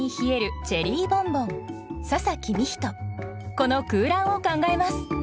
この空欄を考えます